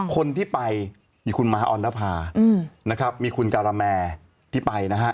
คนที่ไปมีคุณม้าออนรัภามีคุณการาแมที่ไป